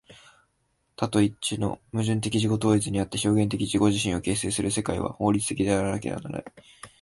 多と一との矛盾的自己同一として表現的に自己自身を形成する世界は、法律的でなければならない。